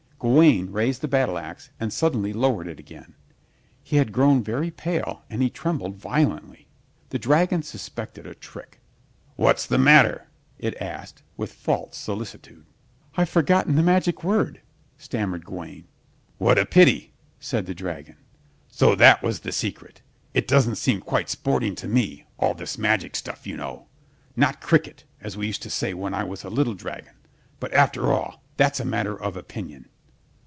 Gawaine raised the battle ax and suddenly lowered it again. He had grown very pale and he trembled violently. The dragon suspected a trick. "What's the matter?" it asked, with false solicitude. "I've forgotten the magic word," stammered Gawaine. "What a pity," said the dragon. "So that was the secret. It doesn't seem quite sporting to me, all this magic stuff, you know. Not cricket, as we used to say when I was a little dragon; but after all, that's a matter of opinion."